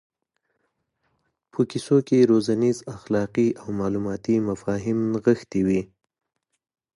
په کیسو کې روزنیز اخلاقي او معلوماتي مفاهیم نغښتي وي.